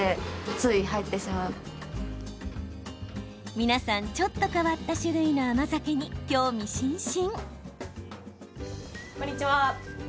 皆さん、ちょっと変わった種類の甘酒に興味津々。